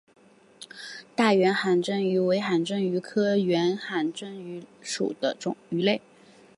大圆颌针鱼为颌针鱼科圆颌针鱼属的鱼类。